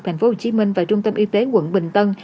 tp hcm và trung tâm y tế quận bình tân